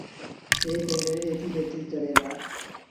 ائيٚݩ پنڊريٚ ڏيتي ليٿيٚ ڪريݩ دآ۔